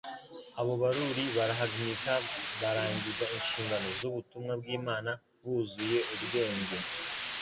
abo baruri barahagmika barangiza inshingano z'ubutumwa bw'Imana buzuye ubwenge